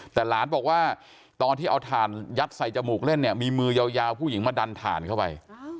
แต่หลานบอกว่าตอนที่เอาถ่านยัดใส่จมูกเล่นเนี่ยมีมือยาวผู้หญิงมาดันถ่านเข้าไป